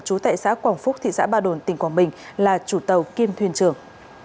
chú tại xã quảng phúc thị xã ba đồn tỉnh quảng bình là chủ tàu kiêm thuyền trưởng